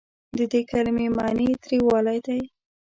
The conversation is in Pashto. د دې کلمې معني تریوالی دی.